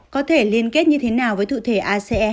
có thể liên kết như thế nào với thụ thể ace hai